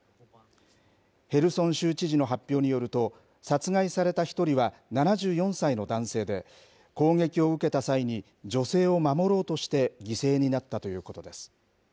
ヘルソン州知事の発表によると、殺害された１人は７４歳の男性で、攻撃を受けた際に、女性を守ろうとして犠牲になったということです。